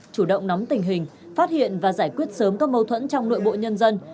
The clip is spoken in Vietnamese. chủ động nắm tình hình phát hiện và giải quyết sớm các mâu thuẫn trong nội bộ nhân dân